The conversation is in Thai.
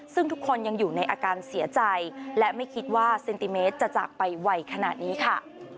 ซึ่งทุกคนยังอยู่ในอาการเสียใจและไม่คิดว่าเซนติเมตรจะจากไปไวขนาดนี้ค่ะ